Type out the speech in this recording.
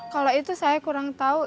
kalau itu saya kurang tahu